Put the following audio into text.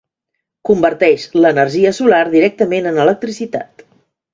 Converteix l'energia solar directament en electricitat.